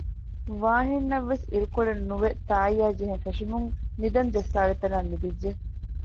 ވާހިންނަށްވެސް އިރުކޮޅެއްނުވެ ތާއްޔާޖެހެން ފެށުމުން ނިދަން ޖައްސާލިތަނާ ނިދިއްޖެ